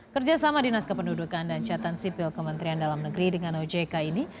kerjasama dinas kependudukan dan catatan sipil kementerian dalam negeri dengan ojk ini